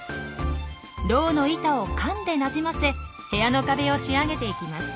蝋の板をかんでなじませ部屋の壁を仕上げていきます。